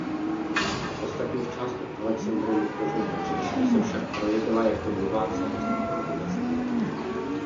V ostatních částech Alexandrem vytvořené říše se však projevila jako nová samostatná dynastie.